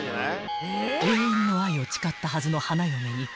［永遠の愛を誓ったはずの花嫁に］